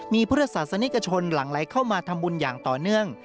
มีพุทธศาสนิกชนหลังไหลเข้ามาทำบุญอย่างต่อเนื่อง